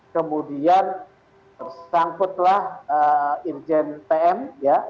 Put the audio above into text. kemudian sangkutlah injen pm ya